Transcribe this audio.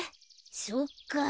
そっか。